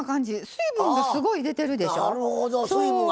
水分が、すごい出てるでしょ。